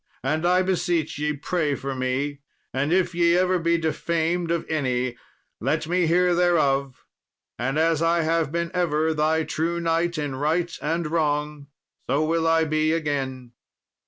And, I beseech ye, pray for me, and if ye ever be defamed of any, let me hear thereof, and as I have been ever thy true knight in right and wrong, so will I be again."